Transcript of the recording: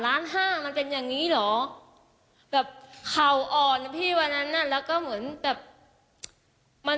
๓๕ล้านมันเป็นอย่างนี้เหรอ